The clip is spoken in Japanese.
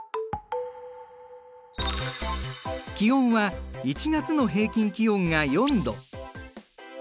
気温は１月の平均気温が４度。